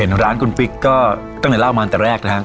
เห็นร้านคุณปิ๊กก็ตั้งในราวมากแต่แรกนะครับ